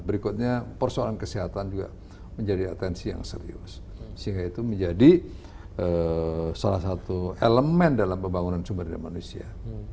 berikutnya persoalan kesehatan juga menjadi atensi yang serius sehingga itu menjadi salah satu elemen dalam pembangunan sumber daya manusia